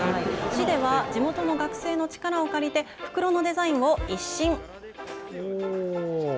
市では地元の学生の力を借りて袋のデザインを一新。